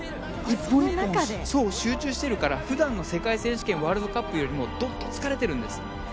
１本１本、集中しているので普段の世界選手権やワールドカップよりもどっと疲れているんです。